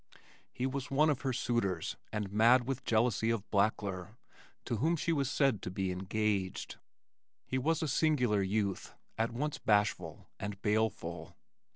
He was one of her suitors and mad with jealousy of Blackler to whom she was said to be engaged. He was a singular youth, at once bashful and baleful.